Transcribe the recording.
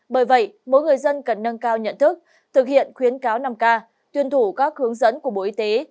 bởi vậy mỗi người dân cần nâng cao nhận thức thực hiện khuyến cáo năm k tuân thủ các hướng dẫn của bộ y tế